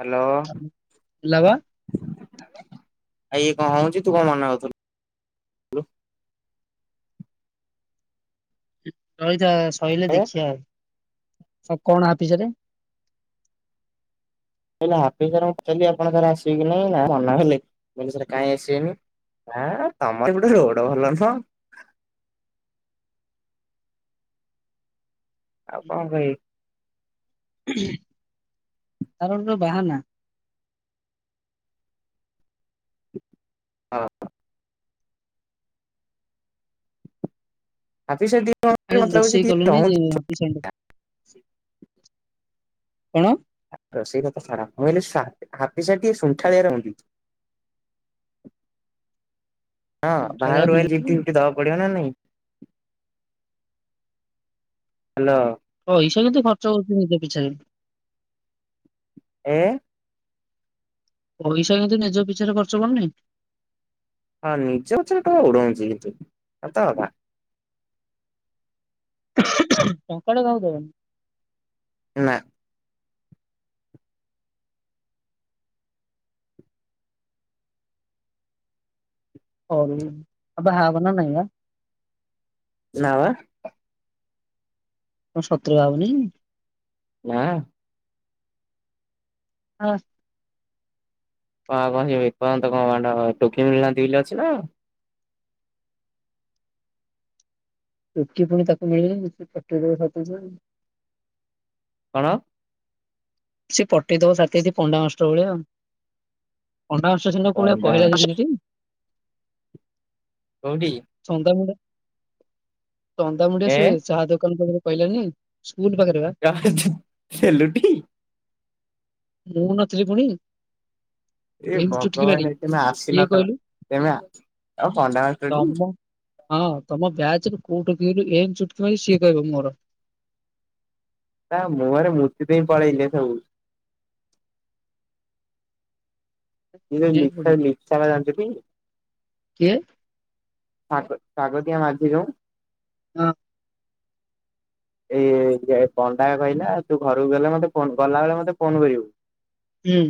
Hello ଲବା ଆ ଏ କଣ ହଉଛି ତୁ କଣ ମନାଉଥିଲୁ? ହଁ। ସରିଲେ ଏ ଦେଖିବା। ଆଉ କଣ ହ ପିଛରେ? ମୁଁ କହିଲି ହାପି ହେରିକା କୁ ପଚାରିବି ଆପଣଙ୍କର ଆସିବେ କି ନାଇ ନା ମନା କଲେ ମୁଁ କହିଲି କାଇଁ ଆସିବେନି ନା ତମର ଗୋଟେ ରୋଡ ଭଲ ନା ଆଉ କଣ ଭାଇ? କାରଣରୁ ବାହାନା ହଁ ହ। ହାଫି ସେ ଦି ଆରେ ରୋଷେଇ କଲନି ଯେପିସ କଣ? ରୋଷେଇର ତ ଖରାପ ନଲେ ହାଫିସା ଟିକେ ଶଣ୍ଠାଳିଆ ରହନ୍ତି। ହଁ ଅଠାଳିଆ ବାହାଘ ନୁହଁ ରହିଲେ କି ଯେମିତି ସେମତି ଦବା ପଡିବ ନା ନାଇଁ [inaudible] ହ୍ୟାଲୋ। ଓ ହସାବବ କିନ୍ତୁ ଖର୍ଚ୍ଚା କରୁଛି ନିଜେ ପିଛା ଏ ପଇସା କିନ୍ତୁ ନିଜ ପିଛରେ ଖର୍ଚ୍ଚ ପାରୁନି। ହଁ ନିଜେ [unintelligible] ଉଡଉଛି କିନ୍ତୁ ସତକଥା ଟଙ୍କାଟେ କାହାକୁ ଦେବେନି ନା ହଉ ଆଉ ବାହାହବ ନା ନାହିଁ ବା ନା ବା କଣ ସତରେ ବାହା ହବନି ନାଁ ହାସ କଣ ହବନି ବେ କଣ କଣ ଗୋଟେ [unintelligible] ଟୋକି ମିଳୁନାହାନ୍ତି ବୋଲି ଅଛି ନା ଟୋକି ପୁଣି ତାକୁ ମିଳିବେନି [unintelligible] ହଁ ସିଏ ପଟେଇଦବ ସତ୍ୟାଜିତ୍ ପଣ୍ଡା ମାଷ୍ଟର ଭଳିଆ ଆଉ ପଣ୍ଡା ମାଷ୍ଟର ସେଦିନ କୋଉ ଭଳିଆ ପଣ୍ଡା କହିଲା ଦେଖିଚୁ ଟି? କୋଉଠି? [inaudible] ଚନ୍ଦା ମୁଣ୍ଡ ଚନ୍ଦା ମୁଣ୍ଡିଆ ଏ ସେ ଚାହା ଦୋକାନ ପାଖ କଇଲାନି [unintelligible] ସେଲୁଟି [inaudible] ମୁଁ ନଥିଲି ପୁଣୀ? ଏ ଭଗବାନେ ତମେ ଆସିନତ କହିଲୁ ତେମେ ତମେ ପଣ୍ଡା ମାଷ୍ଟର ଟି? ତମ ହଁ ତମ ବ୍ୟାଚରୁ କୋଉ ଟୋକି କଇଲୁ? ଏକ ଚୁଟକି ମାରିବି ଶିଏ କଇବ ମୋର। ତା ମୁଁହରେ ମୁତି ଦେଇକି ପଳେଇଲେ ସବୁ। ଏ ଯୋଉ ନେଲ୍ ଲିପସା ପଡିବ ଲିପସା ଟା ଜାଣିଚୁ ଟି? କିଏ? ସାଗ ଶାଗତିୟା ମାଝି ଯୋଉ? ହଁ ଏଇ ଏ ପଣ୍ଡା କହିଲା ତୁ ଘରୁକୁ ଗଲେ ମତେ ଫୋନ କ ଗଲାବେଳେ ମତେ ଫୋନ୍ କରିବୁ। ହୁଁ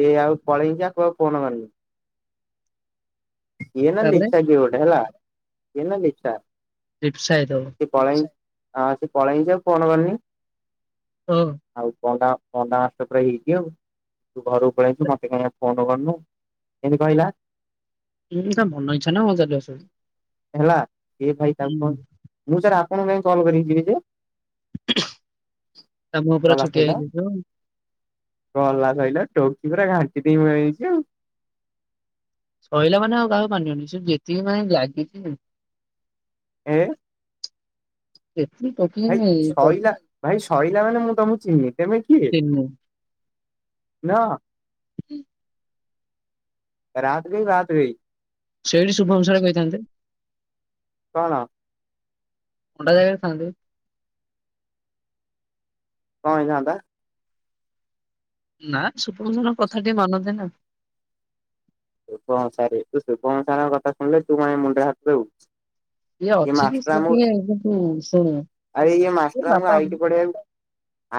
ଏ ଆଉ ପଳେଇଯା କ ଆଉ ଫୋନ କରିନି। ଇଏ ନା ତାପରେ ଲିପ୍ସା କିଏ ଗୋଟେ ହେଲା। ଏ ହେଲା ଲିପ୍ସା। ଲିପ୍ସା ହେଇଥବ ସେ ପଳେଇ ହଁ ସେ ପଳେଇଚି ଆଉ ଫୋନ କରିନି। ଓ [inaudible] ଆଉ ପଣ୍ଡା ପଣ୍ଡା ମାଷ୍ଟର ପୁରା ହିଟ ଆଉ ତୁ ଘରକୁ ପଳେଇଚୁ ମତେ କାଇଁ ଆଉ ଫୋନ କରିନୁ ଏମିତି କହିଲା। ଉ ତା ମନ ଇଛା ନା କଣ ଚାଲିବ ସବୁ ହେଲା ଏ ଭାଇ ତାକୁ କଅ ହୁଁ ମୁଁ ସାର ଆ କଣ ପାଇଁ କଲ କରିକି ଯିବି ଯେ? ତା ମୁହଁ [inaudible] ପୁରା ଗଲା ଛୋଟିଆ ସଇଲା ହେଇଯାଇଥିବ। [inaudible] ଗଲା ସଇଲା ଟୋ ସେ ପୁରା ଘାଣ୍ଟି ଦେଇକି ପଳେଇ ଯାଇଚି ଆଉ [inaudible] ସଇଲା ମାନେ ଆଉ କାହାକୁ ମାନିବନି। ସେ ଯେତିକି ମାଇଣ୍ଡ ଲାଗିଚି ହେ ଯେତିକି ଭାଇ ଟୋକିନି ସଇଲା-ଭାଇ ସଇଲା ମାନେ ମୁଁ ତମକୁ ଚିହ୍ନନି। ତେମେ କିଏ? [inaudible] ନାଆ [unintelligible] ରାତ ଗଈ ବାତ ଗଈ। ସେଇଠି ଶୁଭମ ସାର କହିଥାନ୍ତେ। କଣ? [inaudible] ପଣ୍ଡା ଜାଗାରେ ଥାନ୍ତେ [inaudible] କଅ ହେଇ ଥାନ୍ତା? ନା ସୁପୁନୁର କଥାଟି ମନ ଦେ ନା। ଶୁଭଂସାରୀ ତୁ ଶୁଭଂସାରଙ୍କ କଥା ଶୁଣିଲେ ତୁ ମାନ ମୁଣ୍ଡରେ ହାତ ଦବୁ। ସିଏ ଏ ଅଛି କି ମାଷ୍ଟର ସେ ଆମକୁ ଟିକେ କିନ୍ତୁ ଶୁଣୁ ଆରେ ଇଏ ଏ ମାଷ୍ଟର ଆମକୁ ବାପା ଆଇଟି ପଢେଇ ଆକୁ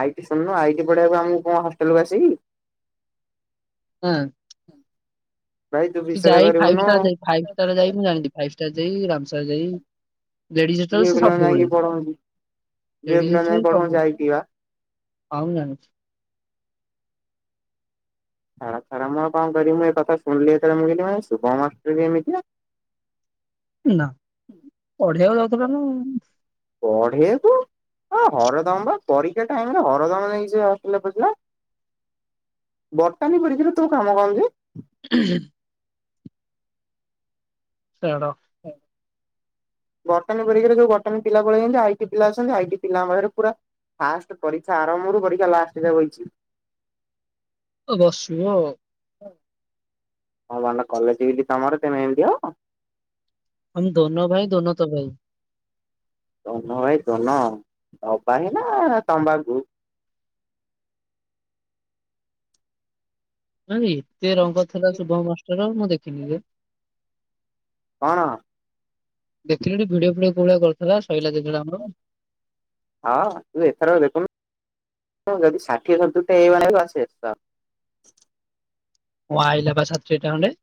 ଆଇଟି ଶୁଣନୁ ଆଇ [inaudible] ଆମକୁ କଣ ହଷ୍ଟେଲକୁୁ ଆସିକି? ହାଁ ଭାଇ ତୁ ସେ ବିଶ୍ୱାସ ଯାଇ ଫାଇ କରିବୁନୁ ଷ୍ଟାର ଯାଇ ଫାଇ ଷ୍ଟାର ଯାଇ ମୁଁ ଜାଣିିଲି ଫାଇଷ୍ଟାର ଯାଇ ରାମସାର ଯାଇ ଲେଡିସ ହଷ୍ଟେଲ୍‌ ଝିଅ ସେ ପିଲାଙ୍କୁ ସବୁବେଳେ ଯାଇକି ପଢଉଚି ଝିଅ ଲେଡିସ ପିଲାଙ୍କୁ ଯାଇ ହଷ୍ଟେଲ୍‌ ପଢଉଚି ସବୁ ଆଇଟି ବା ହଁ ମୁଁ ଜାଣିଚି। ଛାଡ଼ ଛାଡ଼ ମୁଁ କଣ କରିମି ଏ କଥା ଶୁଣିଲି ଯେତେ ବେଳେ ମୁଁ କହିଲି ମା ଶୁଭ ମାଷ୍ଟର ବି ଏମିତିଆ। ନା ପଢେୟାକୁ ଯାଉଥିଲା ନା। ହ ଆ ହରଦମ ବା ପରୀକ୍ଷା ଟାଇମରେ ହରଦମ ନେଇକି ସେ ହ ପସିଲା ବର୍ତ୍ତାଲିୀ ପରୀକ୍ଷ ତୁ କାମ କଣ ଯେ? ଉହୁଁ। [unintelligible] ହଁ ବଟନୀ ପରୀକ୍ଷାରେ ଯୋଉ ବଟନୀ ପିଲା ପଳେଇଆଇଚି ଆ ଟି ପିଲା ଅଛନ୍ତି ଆ ଟି ପିଲା ଅମର ପୁର ଫାଷ୍ଟ ପରୀକ୍ଷା ଆରମ୍ଭରୁ ପରୀକ୍ଷା ଲାଷ୍ଟ ଯାଏଁ ବାଇଚି। ଅ ବସିବ ଆଉ। ହଁ [unintelligible] କଲେଜ ହେଇଚି ତମର ତମେ ଏମିତି ହବ ହମ୍ ଦୋନୋ ଭାଇ ଦୋନୋ ତବାହି ତନ ଭାଇ ତନ ଦବା ହି ନା ତମ୍ବାଖୁ ହୋଇ ସେ ରଙ୍ଗ ଥିଲା ଶୁଭମ ମାଷ୍ଟର ମୁଁ ଦେଖିନି ରେ କଣ? ଦେଖିଲୁ ଭିଡିଓ ଫିଡିଓ କୋଉଭଳିଆ କରିଥିଲା? ଓ ହଁ ତୁ ଏଥର ଦେଖୁନୁ ହ ଯଦି ଷାଠିଏ ସତୁରିଟା ଏଇ ମାନ ଆସେ ତ ଓ ଆଇଲା ବା ଛାତ୍ରୀ ଏଟା ହଣ୍ଡେ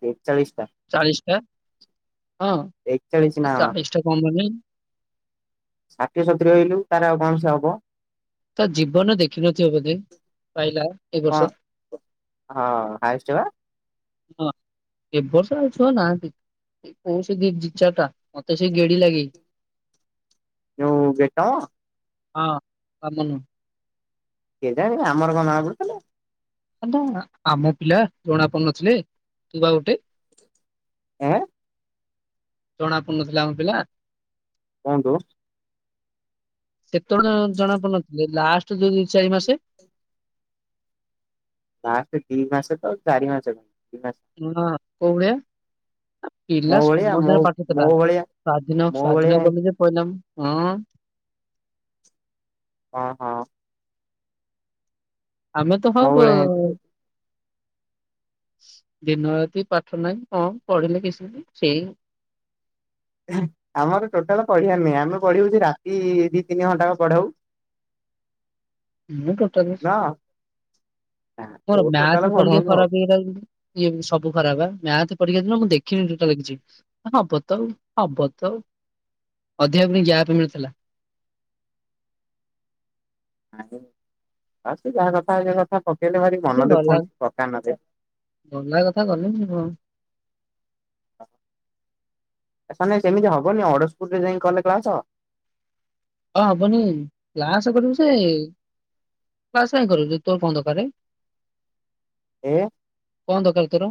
ଏକଚାଳିଶ ଟା। ହଁ ଏକଚାଳିଶ ନାଅ ଚାଳିଶଟା କମନି ଷାଠିଏ ସତୁରି ରହିଲୁ ତାର ଆଉ କଣ? ଯଅବ ତା ଜୀବନ ଦେଖିନଥିବ ବୋଧେ ପାଇଲା ଏ କଣ ବର୍ଷ [inaudible] ହଁ ହାଏଷ୍ଟ ବା ହଁ ଏଭର୍ଷଉ ଛୁଆ ନାହାନ୍ତି କୋଉ ସେଇ ଦି ଦିଚାରି ଟା ମତେ ସେ ଗେଡି ଲାଗେ ଜୋଉ ବେଟା ଅ କମନ୍ କେଜାଣେ ଆମର କଣ ଜଣାପୁଥିଲା ମା ଆମ ପିଲା ଜଣା ପଡନଥୁଲେ ତୁ ବା ଗୋଟେ ୟା ଜଣା ପୁନଥିଲା ଆମ ପିଲା କୁହନ୍ତୁ ସେତ [inaudible] ଜଣା ପନୁଥିଲେ ଲାଷ୍ ତୁ ଦୁଇ ଚାରି ମାସେ ମାସେ ଦି ମାସେ ତ ଚାରି ମାସେ କ ଉହଁ କୋଉଭଳିଆ। ଆପିଲା ମୋ ଭଳିଆ ମୋ ସମତିଙ୍କର ପାଠଥିଲା। ମୋ ଭଳିଆ ସ୍ଵାଧୀନ ମୋ ଭଳିଆ ସ୍ଵାଧୀନ କଲେଜ୍ ପଳେଇଲା ଉଁ। ହଁ ହଁ। ଆମେ ତ ମୋ ହବ। ଭଳିଆ ହେଇଥିଲେ [inaudible] ଦିନରାତି ପାଠ ନାହିଁ। କଣ ପଢିଲେ କିଛି ବି ସେଇ। [unintelligible] ଆମର ଟୋଟାଲ ପଢିବା ନୁହେଁ। ଆମେ ପଢିବୁ ସେଇ ରାତି ଦି ତିନି ଘଣ୍ଟା ପଢୋଉ। ମୁଁ ଟୋଟାଲି ନା [inaudible] ତୋ ମୋର ଟୋଟାଲ ମ୍ୟାଥ୍ ପରିକ୍ଷା ପଢଉନୁ ଆଉ ଖରାପ ହେଇଗଲା ଯୋ ସବୁ ଖରାପ ବା ମ୍ୟାଥ୍ ପରିକ୍ଷା ଦିନ। ଦେଖିନି ଟୋଟାଲ କିଛି। ହବ ତ ହବ ତ ଅଧିକାକୁ ନେଇକି ଗ୍ୟାପ ମିଳୁଥିଲା। ଆଉ ଆସେ ଯାହା କଥା ଇଏ କଥା। ପକେଇଲେ ଭାରି ଆ ଟିକେ ମନ ଭଲ ଦୁଃଖ ଲାଗୁ ହଉଛି ପକାନରେ [inaudible] ଗଲା କଥା ଗଲା ଏ ହଁ। ସ ନାଇ ସେମିତି ହବନି। ଅଡ଼ଶପୁରରେ ଯାଇ କଲେ କ୍ଳାସ। ହଁ ହବନି। କ୍ଲାସ କରିବୁ ଯେ କ୍ଲାସ କାଇଁ କରିବୁ ଯେ ତୋର କଣ ଦକାରେ। ଏ। କଣ ଦକାର ତୋର।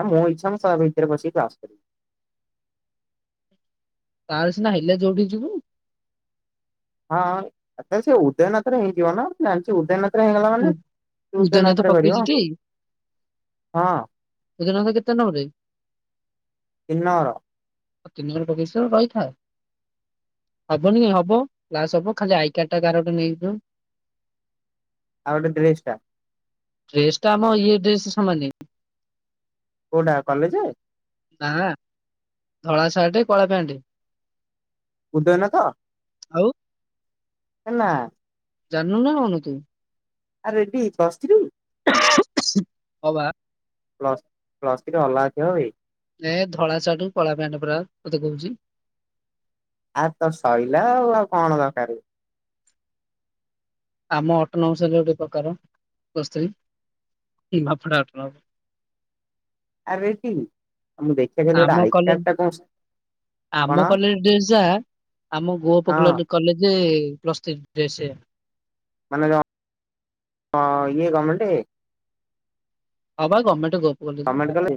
ଆ ମୋ ଇଚ୍ଛା ମୁ ସଳା ଭିତରେ ପଶିକି କ୍ଲାସ କରିବି। ତାର ସିନା ହେଲେ ଯୋଉଠି ଯିବୁ। ହଁ ଚ ସେ ଉଦୟନାଥରେ ହେଇଯିବ ନା ଜାଣିଛି ଉଦୟନାଥ ଚ ହେଇଗଲା ମାନେ ଉ- ତୁ ଉଦୟନାଥ ଉଦୟନାଥରେ କରିବ ପକେଇଛି ଟି ହଁ ଉଦୟନାଥ କେତେ ନମ୍ବରରେ [inaudible] ତିନି ନମ୍ବର। ତିନି ନମ୍ବର ରେ ପକେଇଚି ରହିଥା। ହବନି କାଇଁ ହବ କ୍ଲାସ ହବ ଖାଲି ଆଇ କାର୍ଡ ଟା କାହାର ଗୋଟେ ନେଇଯିବୁ। ଆଉ ଗୋଟେ ଡ୍ରେସ୍ ଟା। ଡ୍ରେସ ଟା ଆମ ଇଏ ଡ୍ରେସ ସମାନେ। କୋଉଟା କଲେଜେ। ନା ଧଳା ସାର୍ଟ କଳା ପ୍ୟାଣ୍ଟ। ଉଦୟନାଥ। ଆଉ ହେ ନା। ଜାନୋଉନା କଣ ତୁ। ଆ ରେଡି ପ୍ଲସ ଥ୍ରୀ। [unintelligible] ଅବା। ପ୍ଲସ୍ ପ୍ଲସ୍ ଥ୍ରୀ ଅଲଗା ଥିବ ବେ [inaudible] ଏ ଧଳା ସାଟୁ କୁ କଳା ପେଣ୍ଟ ପୁରା। ମତେ କହୁଛି। ଆ ତୋ ସଇଲା ଆଉ ଆଉ କଣ ଦରକାର। ଆମ ଅଟୋନୋମସ ରେ ହେଲେ ଗୋଟେ ପ୍ରକାର ପ୍ଲସ ଥ୍ରୀ। ନିମାପଡା ଅଟନବ୍ ଆ ରେଡି। ଆମ କଲେଜ କଣ ଆମ କଲେଜ ଡ୍ରେସ ଯାହା। ଆମ ଗୋପ୍ ହଁ କଲ୍ କଲେଜ୍। ପ୍ଲସ ଥ୍ରୀ ଡ୍ରେସ ସେୟା। ମାନ କ ଣ ଇଏ ଗମେଣ୍ଟ। ହଁ ବା ଗମେଣ୍ଟ ଗ ଗମେଣ୍ଟ କଲେଜ [inaudible]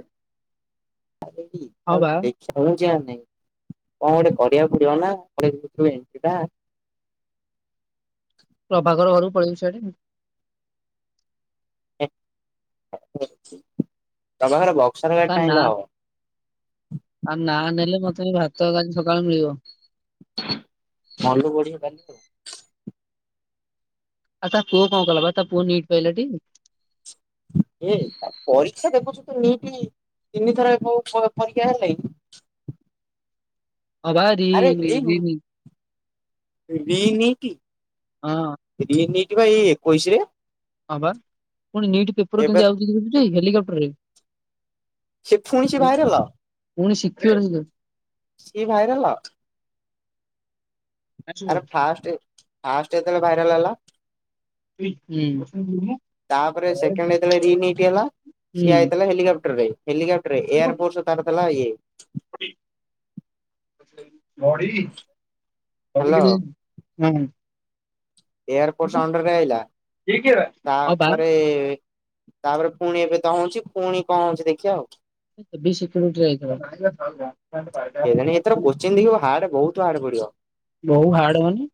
ହଁ [unintelligible] ବା ଦେଖିବା କଣ ଗୋଟେ କରିବାକୁ ନାଁ [inaudible] ପ୍ରଭାଘର ଘରୁ ପଳେଇଚୁ [inaudible] [inaudible] ତମର ବ ତା ନାଁ ତା ନାଁ ନେଲେ ମୋତେ ତମେ ଭାତ କାଲି ସକାଳୁ ମିଳିବ। ମନୁ ବଢିଆ କାଲି [inaudible] ଆଉ ତା ପୁଅ କଣ କଲା ବା ତା ପୁଅ ନିଟ୍ ପାଇଲାଟି। ଏ ପରୀକ୍ଷା ଦେଖୁଛୁ ତୁ ନିଟି ତିନିଥର ପରୀକ୍ଷା ହେଲାକି। ହଁ ମ୍ବା ରି ରି ଲି ବି ନିଟି ହଁ ଭିନିଟି କିବା ଏଇ ଏକାଉସୀ ରେ ହଁ ଵା ପୁଣି ନିଟ୍ ପେପର ଏବେ କେମିତି ଦେଖୁଚୁ ଟି ହେଲିକପ୍ଟର ସେ ପୁଣି ସେ ଭାଇରଲ ପୁଣି ଶିଖିବାରୁ ସିଏ ଭାଇରଲ ହେଇଯାଉ। ଆରେ ଫାଷ୍ଟ ଫାଷ୍ଟ ଯେତେବେ ଭାଇରାଲ ହେଲା [inaudible] ତାପରେ ସେକେଣ୍ଡ ରେ ରି ଇନି ହେଲା ସିଏ ହେଇଥିଲା ହେଲିକପ୍ଟର ରେ ହେଲିକପ୍ଟର ଏୟାର ଫୋର୍ସ ତାର ଥିଲା ଇଏ [inaudible] [inaudible] ମଢ଼ୀ [inaudible] ହୁଁ। ଏୟାରପୋର୍ଟଅଣ୍ଡର ରେ ଆଇଲା ହୁଁ। ହଁ ବା ତାପରେ ତାପରେ ପୁଣି ଏବେ ତ ହଉଛି ପୁଣି କଣ ହଉଛି ଦେଖିବା ଆଉ ବ ସେ କମିଟର କେଜାଣି ଏଥର କସେନି ଦେଖି ହାଡ଼ ବୋଉତୁ ଭୋଉତୁ ହାଡ଼ ପଡିବ। ବହୁଉ ହାର୍ଡ ମାନେ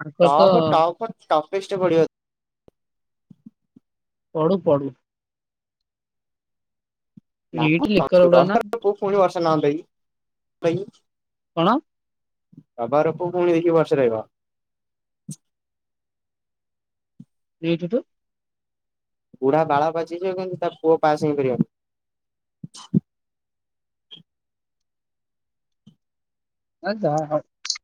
ଆଙ୍କର ତ ଟପ ଟପ ଟପେଷ୍ଟ ପଡିବ। ପଢୁ ପଢୁ ନା ନଟ ଲିକୋଡା ନା ପ୍ରଭାରକୁ [unintelligible] କଣ? ବାବାରକୁ ପୁଣି ଦେଖି ବର୍ଷେ ରହିବ। ଏଇ ଟୁ ଟୁ। ବୁଢା ବାଳ ପାଚିଯିବ ହେଲେ ତା ପୁଅ ପାସ୍ ହେଇପାରିବନି। ହେ ଯାହା ଯୋଉ।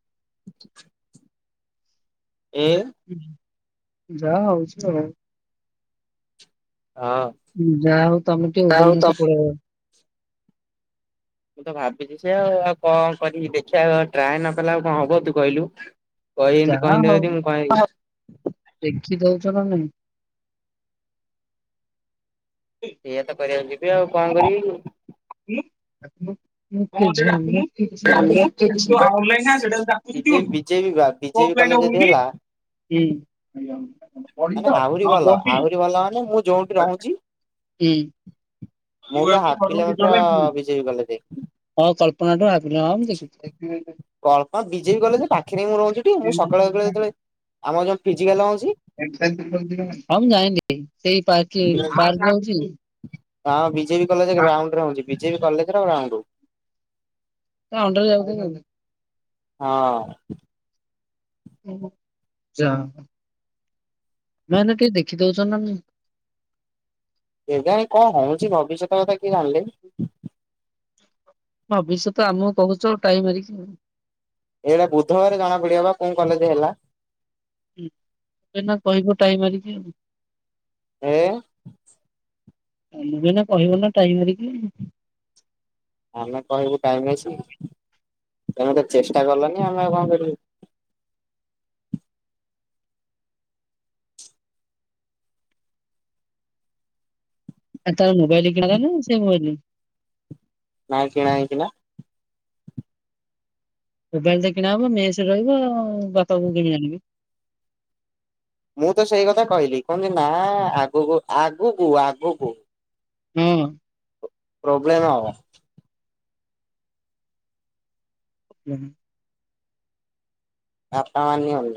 ଏ। ଯା ହଉଛି ହଉ। ହଁ। ହୁଁ ଯାହା ହଉ ତମେ ଟିକେ ଉଧ୍ୟଉନ ତ ପଳେଇଲ। ମୁଁ ତ ଭାବିଛି ସେ ଆଉ ଆଉ କଣ କରି ଦେଖିବା ଟ୍ରାଏ ନ କଲା ଆଉ କଣ ହବ ତୁ କହିଲୁ? କହି ଏମତି ଯାହା ହଉ କହିଦବି ମୁଁ କହିି ଦେଖି ଦଉଛ ନାଇଁ। ଏଇଆ ତ କରି ଆଉ କଣ କରିବି କି? ଉଁ। [unintelligible] ବିଜେ ବିଜେପି ବା ବିଜେପି କଲେ ସେଠୁ ଯଦି ହେଲା ଅଫଲାଇ ମାନେ ଆହୁରି ଭଲ ଆହୁରି ଭଲ ମାନେ ମୁଁ [unintelligible] ଯୋଉଠି ରହୁଛି ମୁଁ ତ ହାଫ କିଲୋମିଟର ହୁଁ। ବିଜେପି କଲେଜ ଯାଇଛି। ହଁ କଳ୍ପନାଠୁ ଆ କଳ୍ପ ବିଜେପି କଲେଜ ପାଖରେ ମୁଁ ରହୁଛି ଟି ମୁଁ ସକାଳେବେଳେ ଯେତେବେଳେ ଆମର ଯଉ ଫିଜିକାଲ ରହୁଛି। ଛି। ସେଇ ପାର୍କ ପାର୍କ ଯାଉଛି। ହଁ ବିଜେପି କଲେଜ ଗ୍ରାଉଣ୍ଡରେ ରୋହୁଛି। ବିଜେପି କଲେଜର ରାଉଣ୍ଡ। ଅଣ୍ଡରରେ ଯାଉଛନ୍ତି ଆଉ। ହଁ। ଯା। ନାଇ ତ କେହି ଦେଖି ଦଉଛ ନା ନାହିଁ। କେ ଜାଣି କଣ ହଉଛି ଭବିଷ୍ୟତ କଥା କି ଜାଣିଲେଣି? ଭବିଷ୍ୟତ ଆମକୁ କହୁଛ ଆଉ ଟାଇମରିକି। ଏଇଟା ବୁଧବାର ଜଣା ପଡିବ ବା କୋଉ କଲେଜ ହେଲା? ହଁ ନା କହିବ ଟାଇ ମାରିକି ଆଉ [unintelligible] ଏଇନା କହିବ ନା ଟାଇମରିକି। ଆମେ କହିବୁ ଟାଇମ ଅଛି ତମେ ତ ଚେଷ୍ଟା କଲନି ଆମେ ଆଉ କଣ କରିବୁ? ଆ ତାର ମୋବାଇଲି କିଣା ନା ସେ ମୋବାଇଲି। ନାଇଁ କିଣା ହେଇଚି ନା। ମୋବାଇଲି ଟେ କିଣା ହବ ମେସ ରହିବ ଆଉ ବାପାକୁ କିଣି ଆଣିବେ ମୁଁ ତ ସେଇ କଥା କହିଲି କୁହନ୍ତି ନା ଆଗକୁ ଆଗକୁ ଆଗକୁ ହୁଁ। ପ୍ରୋବ୍ଲେମ୍ ହବ। ହୁଁ। [unintelligible]